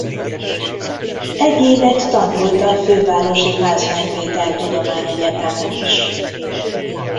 Egy évet tanult a fővárosi Pázmány Péter Tudományegyetemen is.